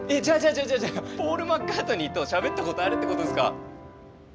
じゃあじゃあポール・マッカートニーとしゃべったことあるってことですか？